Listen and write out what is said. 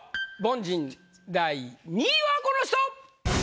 凡人第２位はこの人！